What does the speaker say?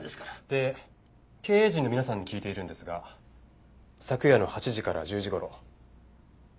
で経営陣の皆さんに聞いているんですが昨夜の８時から１０時頃社長はどちらにいましたか？